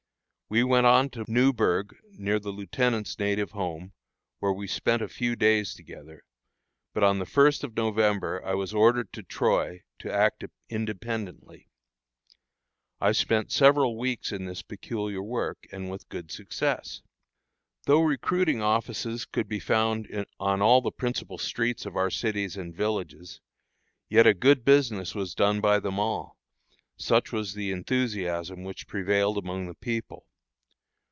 We went on to Newburgh, near the lieutenant's native home, where we spent a few days together, but on the first of November I was ordered to Troy, to act independently. I spent several weeks in this peculiar work, and with good success. Though recruiting offices could be found on all the principal streets of our cities and villages, yet a good business was done by them all, such was the enthusiasm which prevailed among the people.